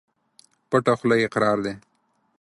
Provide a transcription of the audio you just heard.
پټه خوله اقرار دى.